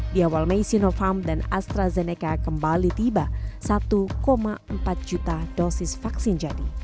di awal mei sinovac dan astrazeneca kembali tiba satu empat juta dosis vaksin jadi